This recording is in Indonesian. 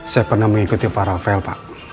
saya pernah mengikuti para ovel pak